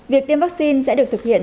việc tiêm vaccine sẽ được thực hiện